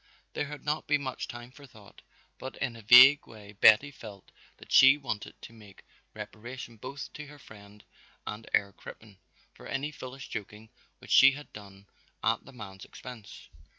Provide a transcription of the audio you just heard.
There had not been much time for thought, but in a vague way Betty felt that she wanted to make reparation both to her friend and Herr Crippen for any foolish joking which she had done at the man's expense.